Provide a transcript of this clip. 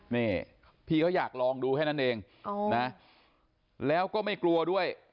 นี่พี่เขาอยากลองดูแค่นั้นเองนะแล้วก็ไม่กลัวด้วย